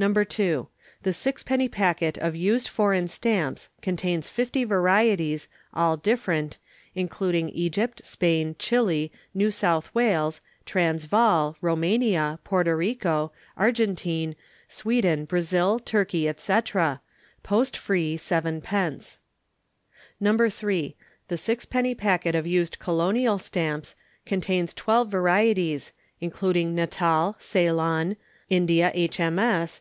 No. 2. The Sixpenny Packet of Used Foreign Stamps contains 50 varieties, all different, including Egypt, Spain, Chili, New South Wales, Transvaal, Roumania, Porto Rico, Argentine, Sweden, Brazil, Turkey, &c. Post free, 7d. No. 3. The Sixpenny Packet of Used Colonial Stamps contains 12 varieties, including Natal, Ceylon, India H.M.S.